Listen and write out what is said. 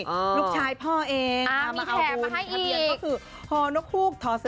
ลูกชายพ่อเองมาเอากูนทะเบียนก็คือฮธศ๘๘๑๓